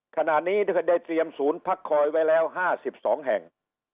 ขณะนี้ถ้าได้เตรียมศูนย์พักคอยไว้แล้วห้าสิบสองแห่ง